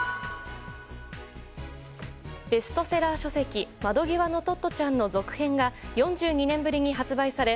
ベストセラー書籍「窓ぎわのトットちゃん」の続編が４２年ぶりに発売され